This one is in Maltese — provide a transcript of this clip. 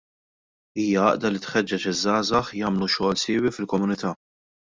Hija għaqda li tħeġġeġ iż-żgħażagħ jagħmlu xogħol siewi fil-komunità.